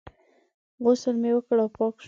غسل مې وکړ او پاک شوم.